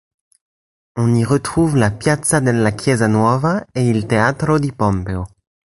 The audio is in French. On y retrouve la Piazza della Chiesa Nuova et il Teatro di Pompeo.